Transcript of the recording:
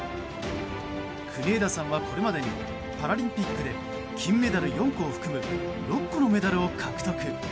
国枝さんは、これまでにパラリンピックで金メダル４個を含む６個のメダルを獲得。